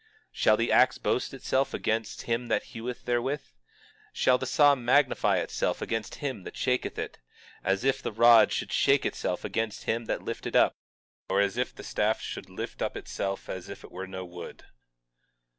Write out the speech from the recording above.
20:15 Shall the ax boast itself against him that heweth therewith? Shall the saw magnify itself against him that shaketh it? As if the rod should shake itself against them that lift it up, or as if the staff should lift up itself as if it were no wood!